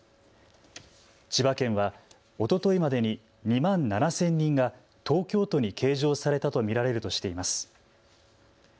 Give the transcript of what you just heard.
千葉県は、おとといまでに２万７０００人が東京都に計上されたと見られるとしています。